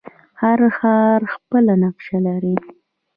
هر ښار خپله نقشه لري.